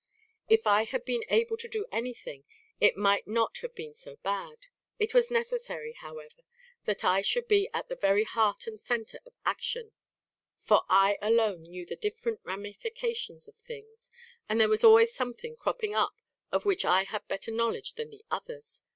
If I had been able to do anything, it might not have been so bad. It was necessary, however, that I should be at the very heart and centre of action; for I alone knew the different ramifications of things, and there was always something cropping up of which I had better knowledge than the others.